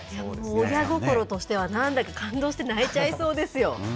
親心としては、なんだか感動泣いちゃいそうですよ。